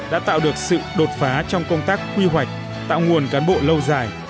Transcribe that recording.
đã tạo được sự đột phá trong công tác quy hoạch tạo nguồn cán bộ lâu dài